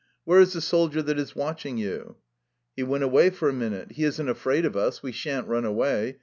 " Where is the soldier that is watching you? "" He went away for a minute. He is n't afraid of us — we sha' n't run away.